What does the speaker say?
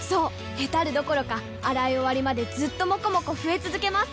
ヘタるどころか洗い終わりまでずっともこもこ増え続けます！